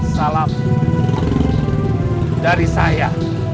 salam dari saya